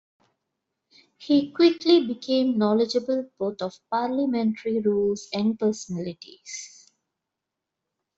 He quickly became knowledgeable both of parliamentary rules and personalities.